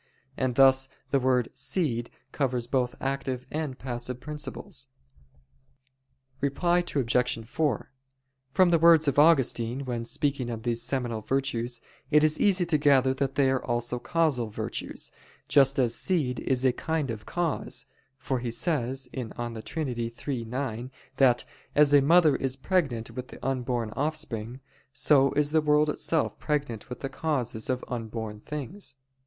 And thus the word "seed" covers both active and passive principles. Reply Obj. 4: From the words of Augustine when speaking of these seminal virtues, it is easy to gather that they are also causal virtues, just as seed is a kind of cause: for he says (De Trin. iii, 9) that, "as a mother is pregnant with the unborn offspring, so is the world itself pregnant with the causes of unborn things."